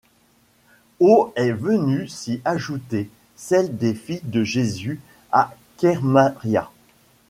Au est venue s'y ajouter celle des Filles de Jésus à Kermaria.